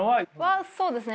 そうですね